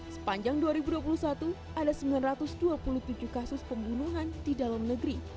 sepanjang dua ribu dua puluh satu ada sembilan ratus dua puluh tujuh kasus pembunuhan di dalam negeri